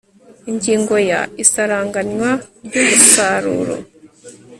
Ingingo ya Isaranganywa ry umusaruro